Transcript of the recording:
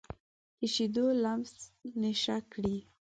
د شیدو لمس نشه کړي